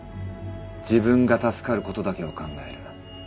自分が助かることだけを考える。